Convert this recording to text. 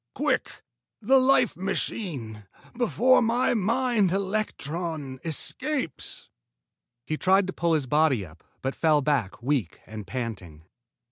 Quick, the life machine, before my mind electron escapes." He tried to pull his body up, but fell back, weak and panting.